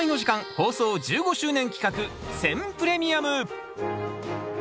放送１５周年企画選プレミアム。